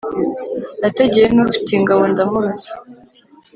Nategeye n’ufite ingabo ndamurasa,